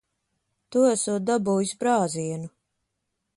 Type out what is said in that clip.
Tu esot dabūjis brāzienu.